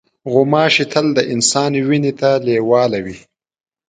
غوماشې تل د انسان وینې ته لیواله وي.